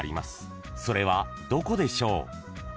［それはどこでしょう？］